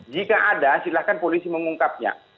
jika ada silakan polisi mengungkapnya